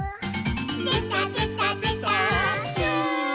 「でたでたでたー」ス！